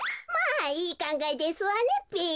まあいいかんがえですわねべ。